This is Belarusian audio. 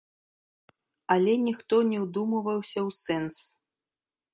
Але ніхто не ўдумваўся ў сэнс.